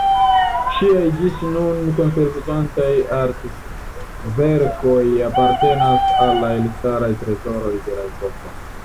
Ŝiaj ĝis nun konserviĝintaj artverkoj apartenas al la elstaraj trezoroj de la epoko.